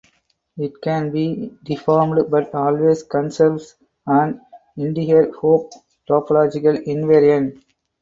It can be deformed but always conserves an integer Hopf topological invariant.